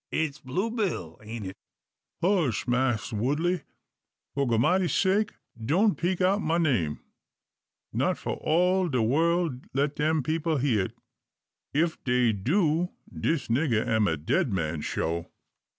"It's Blue Bill, ain't it?" "Hush, Mass' Woodley! For Goramity's sake doan peak out ma name. Not fo' all de worl let dem people hear it. Ef dey do, dis nigger am a dead man, shoo."